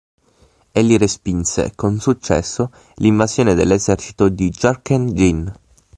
Egli respinse con successo l'invasione dell'esercito di Jurchen Jin.